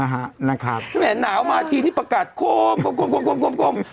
หนาวมาทีเมื่อกี๊ประกาศโคมโคม